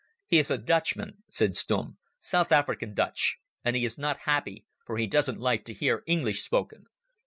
"He is a Dutchman," said Stumm; "South African Dutch, and he is not happy, for he doesn't like to hear English spoken."